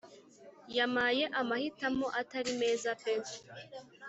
Yamaye amahitamo Atari meza pe